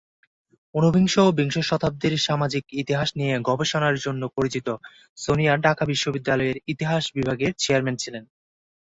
উনবিংশ ও বিংশ শতাব্দীর সামাজিক ইতিহাস নিয়ে গবেষণার জন্য পরিচিত সোনিয়া ঢাকা বিশ্ববিদ্যালয়ের ইতিহাস বিভাগের চেয়ারম্যান ছিলেন।